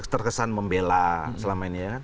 terkesan membela selama ini ya